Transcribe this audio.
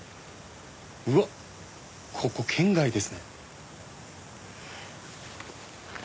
うわっここ圏外ですね。